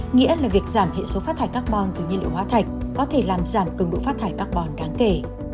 nghĩa là việc giảm hệ số phát thải carbon từ nhiên liệu hóa thạch có thể làm giảm cường độ phát thải carbon đáng kể